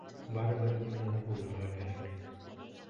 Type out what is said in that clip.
Барыбер нимәлер уйларға кәрәк.